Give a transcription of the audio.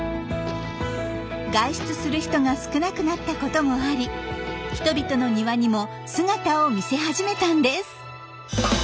外出する人が少なくなったこともあり人々の庭にも姿を見せ始めたんです。